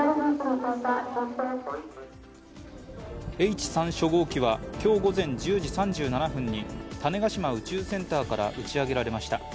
Ｈ３初号機は今日午前１０時３７分に種子島宇宙センターから打ち上げられました。